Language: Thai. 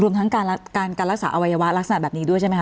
ทั้งการรักษาอวัยวะลักษณะแบบนี้ด้วยใช่ไหมค